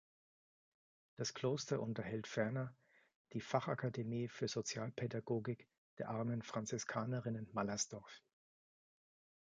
Das Kloster unterhält ferner die "Fachakademie für Sozialpädagogik der Armen Franziskanerinnen Mallersdorf".